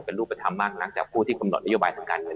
เป็นรูปธรรมมากหลังจากผู้ที่กำหนดนโยบายทางการเงิน